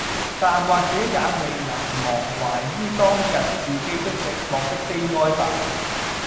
但或者也還未能忘懷于當日自己的寂寞的悲哀罷，